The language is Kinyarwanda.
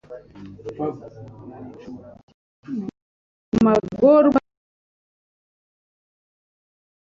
Nuko mu magorwa yanjye ntakambira Uhoraho